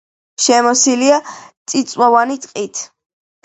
შემოსილია წიწვოვანი ტყით.